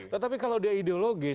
tetapi kalau dia ideologis